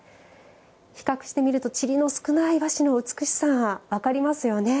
比較してみるとちりの少ない和紙の美しさ分かりますよね。